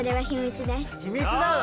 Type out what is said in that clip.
秘密なの？